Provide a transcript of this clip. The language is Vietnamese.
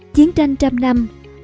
chiến tranh trăm năm